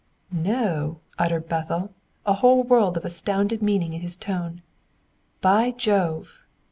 "No!" uttered Bethel, a whole world of astounded meaning in his tone. "By Jove!